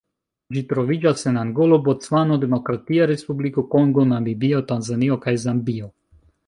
Ĝi troviĝas en Angolo, Bocvano, Demokratia Respubliko Kongo, Namibio, Tanzanio kaj Zambio.